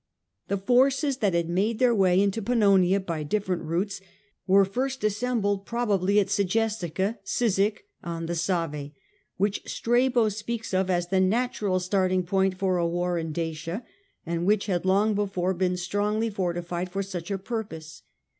The forces that had made their way through Pannonia by different routes, were first assembled probably at Segestica (Sissek) on the Save, which Strabo speaks of as the natural starting point for a war in Dacia, and which had long before been strongly 30 A.D. The Age of the Antonines, fortified for such a purpose.